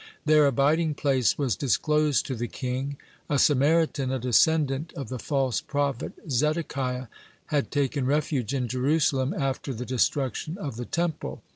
Their abiding place was disclosed to the king. A Samaritan, a descendant of the false prophet Zedekiah, had taken refuge in Jerusalem after the destruction of the Temple.